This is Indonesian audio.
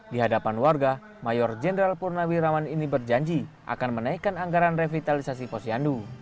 di hadapan warga mayor jenderal purnawirawan ini berjanji akan menaikkan anggaran revitalisasi posyandu